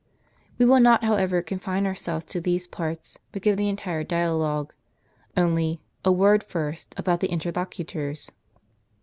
We will not, however, confine ourselves to these parts, but give the entire dialogue. Only, a word first about the interlocutors.